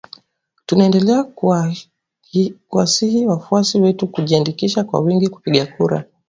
Tunaendelea kuwasihi wafuasi wetu kujiandikisha kwa wingi kupiga kura